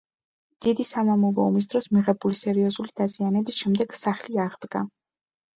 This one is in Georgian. დიდი სამამულო ომის დროს მიღებული სერიოზული დაზიანების შემდეგ სახლი აღდგა.